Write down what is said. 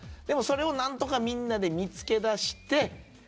でもそれを何とかみんなで見つけだして。